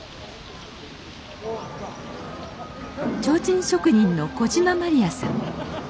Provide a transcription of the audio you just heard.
提灯職人の小島まりやさん。